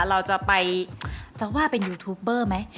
เราจะไปจะว่าเป็นยูทูปเบอร์ไหม